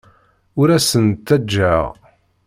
Ur asen-d-ttajjaɣ.